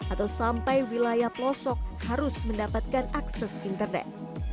atau sampai wilayah pelosok harus mendapatkan akses internet